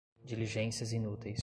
diligências inúteis